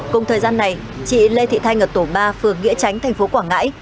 cùng thời gian này chị lê thị thanh ở tổ ba phường nghĩa tránh thành phố quảng ngãi